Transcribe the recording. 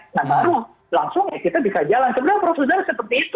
nah baru langsung ya kita bisa jalan sebenarnya prosedur seperti itu